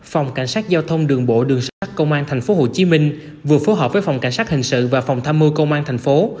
phòng cảnh sát giao thông đường bộ đường sát công an thành phố hồ chí minh vừa phối hợp với phòng cảnh sát hình sự và phòng tham mưu công an thành phố